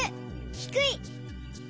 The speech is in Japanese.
「ひくい」。